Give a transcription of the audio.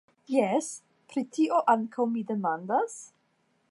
Jes, pri tio ankaŭ mi demandas?